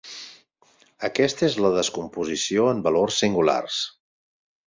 Aquesta és la descomposició en valors singulars.